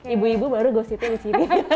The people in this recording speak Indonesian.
ibu ibu baru go city di sini